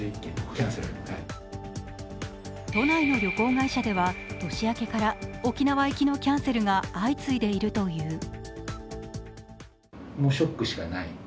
都内の旅行会社では年明けから沖縄行きのキャンセルが相次いでいるという。